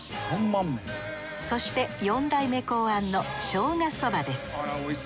そして四代目考案のしょうがそばです。